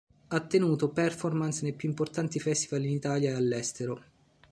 Ha tenuto "performance" nei più importanti festival in Italia e all'estero.